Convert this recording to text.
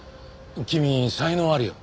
君才能あるよ。